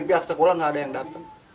pada saat pertama enggak ada yang datang